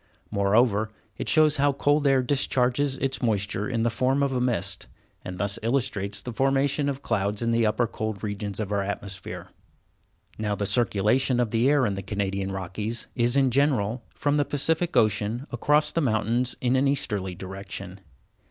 Moreover, it shows how cold air discharges its moisture in the form of a mist, and thus illustrates the formation of the clouds in the upper cold regions of our atmosphere. Now the circulation of the air in the Canadian Rockies is, in general, from the Pacific Ocean across the mountains in an easterly direction.